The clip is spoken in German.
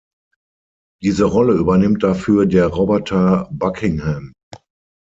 Diese Rolle übernimmt dafür der Roboter Buckingham.